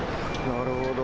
なるほど。